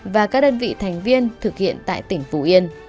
và các đơn vị thành viên thực hiện tại tỉnh phù yên